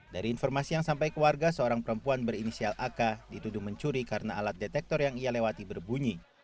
dari informasi yang sampai ke warga seorang perempuan berinisial ak dituduh mencuri karena alat detektor yang ia lewati berbunyi